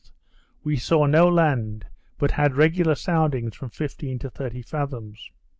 we saw no land, but had regular soundings from fifteen to thirty fathoms.